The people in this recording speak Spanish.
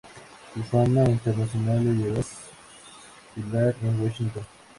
Su fama internacional la llevó a desfilar en Washington.